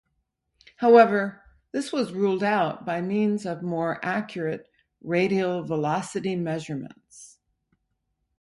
However, this was ruled out by means of more accurate radial velocity measurements.